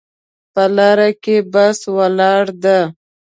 په لاره کې بس ولاړ ده